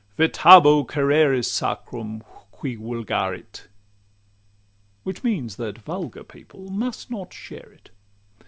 'Vetabo Cereris sacrum qui vulgarit—' Which means that vulgar people must not share it.